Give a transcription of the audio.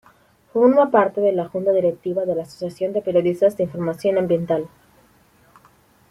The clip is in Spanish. Forma parte de la Junta Directiva de la Asociación de Periodistas de Información Ambiental.